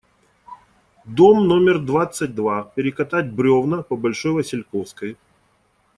Дом номер двадцать два, перекатать бревна, по Большой Васильковской.